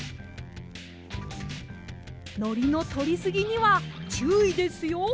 のりのとりすぎにはちゅういですよ。